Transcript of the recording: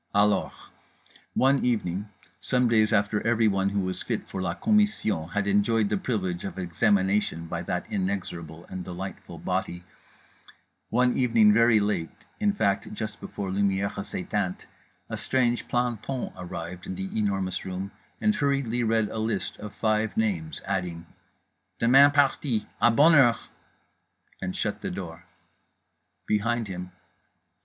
Alors— One evening, some days after everyone who was fit for la commission had enjoyed the privilege of examination by that inexorable and delightful body—one evening very late, in fact, just before lumières éteintes, a strange planton arrived in The Enormous Room and hurriedly read a list of five names, adding: "partir demain de bonne heure" and shut the door behind him.